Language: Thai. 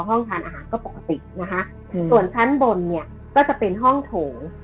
ห้องทานอาหารก็ปกตินะคะส่วนชั้นบนเนี่ยก็จะเป็นห้องโถง